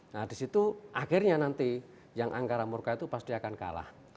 nah disitu akhirnya nanti yang angkara murka itu pasti akan kalah